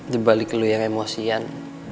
di balik lu yang emosian